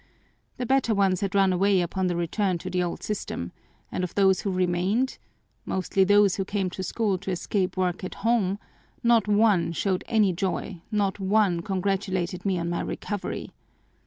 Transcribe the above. The better ones had run away upon the return to the old system, and of those who remained mostly those who came to school to escape work at home not one showed any joy, not one congratulated me on my recovery.